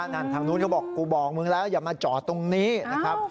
ทางนู้นก็บอกกูบอกมึงแล้วอย่ามาจอดตรงนี้นะครับ